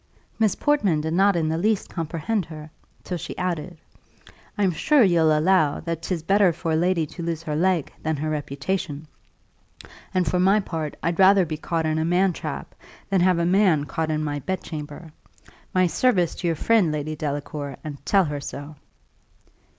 Miss Portman did not in the least comprehend her, till she added, "I'm sure you'll allow that 'tis better for a lady to lose her leg than her reputation and for my part I'd rather be caught in a man trap, than have a man caught in my bedchamber. My service to your friend, Lady Delacour, and tell her so."